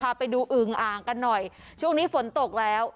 พาไปดูอึงอ่างกันหน่อยช่วงนี้ฝนตกแล้ว